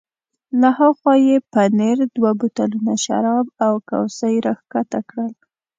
له ها خوا یې پنیر، دوه بوتلونه شراب او کوسۍ را کښته کړل.